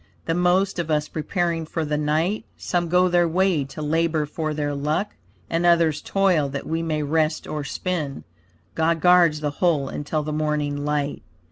The most of us preparing for the night; Some go their way to labor for their luck, And others toil that we may rest or spin. God guards the whole until the morning light.